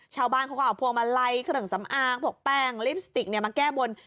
ชาวบ้านเขาก็เอาพวงมาลัยเครื่องสำอางพวกแป้งลิปสติกมาแก้บน